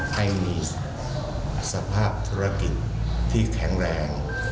ให้มีสภาพธุรกิจที่แข็งแรง